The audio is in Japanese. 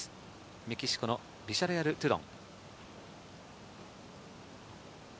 メキシコのビジャレアル・トゥドン。